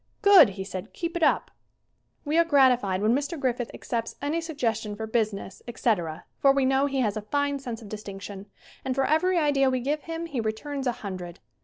"Good," he said, "keep it up!" 118 SCREEN ACTING We are gratified when Mr. Griffith accepts any suggestion for business, etc., for we know he has a fine sense of distinction and, for every idea we give him, he returns a hundred.